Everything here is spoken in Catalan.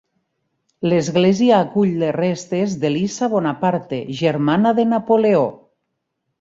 L'església acull les restes d'Elisa Bonaparte, germana de Napoleó.